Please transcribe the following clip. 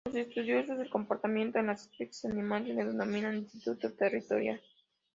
Los estudiosos del comportamiento de las especies animales le denominan instinto territorial.